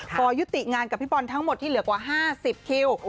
พอยุติงานกับพี่บอลทั้งหมดที่เหลือกว่า๕๐คิว